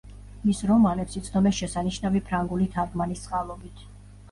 მის რომანებს იცნობენ შესანიშნავი ფრანგული თარგმანის წყალობით.